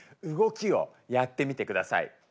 動きをやってみてください。